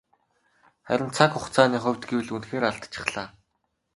Харин цаг хугацааны хувьд гэвэл үнэхээр алдчихлаа.